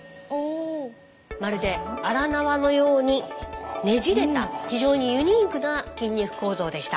まるで荒縄のようにねじれた非常にユニークな筋肉構造でした。